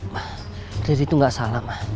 ma riri tuh gak salah ma